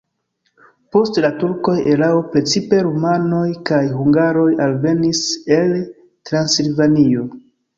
Post la turkoj erao precipe rumanoj kaj hungaroj alvenis el Transilvanio.